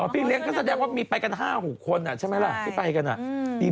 พี่เลี้ยงก็แสดงว่าไปกันห้าหกคนอ่ะใช่ไหมล่ะ